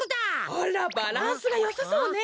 あらバランスがよさそうね。